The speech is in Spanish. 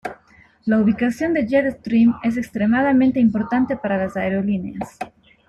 La ubicación del "jet stream" es extremadamente importante para las aerolíneas.